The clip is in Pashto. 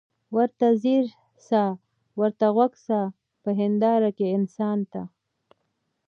ورته ځیر سه ورته غوږ سه په هینداره کي انسان ته